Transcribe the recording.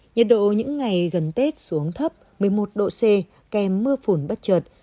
nhật độ những ngày gần tết xuống thấp một mươi một độ c kèm mưa phùn bất trợt